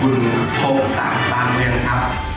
คุณพงศักดิ์บานเมืองครับ